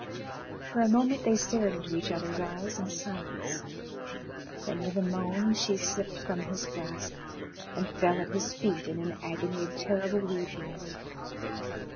For a moment they stared into each other's eyes in silence, then, with a moan, she slipped from his grasp and fell at his feet in an agony of terrible weeping.